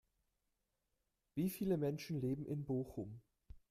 Wie viele Menschen leben in Bochum?